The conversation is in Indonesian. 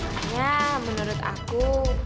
makanya menurut aku